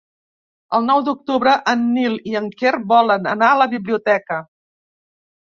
El nou d'octubre en Nil i en Quer volen anar a la biblioteca.